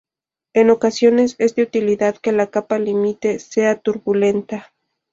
En ocasiones es de utilidad que la capa límite sea turbulenta.